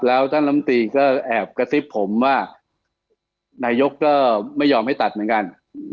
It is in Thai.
แล้วท่านลำตีก็แอบกระซิบผมว่านายกก็ไม่ยอมให้ตัดเหมือนกัน